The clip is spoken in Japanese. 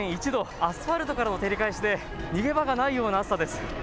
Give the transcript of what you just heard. アスファルトからの照り返しで逃げ場がないような暑さです。